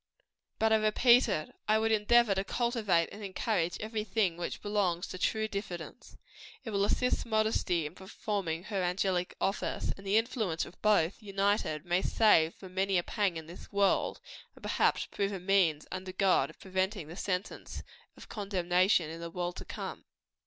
But I repeat it I would endeavor to cultivate and encourage every thing which belongs to true diffidence. It will assist modesty in performing her angelic office; and the influence of both, united, may save from many a pang in this world, and perhaps prove a means, under God, of preventing the sentence of condemnation in the world to come.